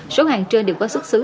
số hàng trên đều có xuất xứ